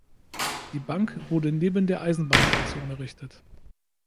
Die Bank wurde neben der Eisenbahnstation errichtet.